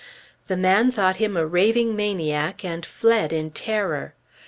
The man thought him a raving maniac and fled in terror.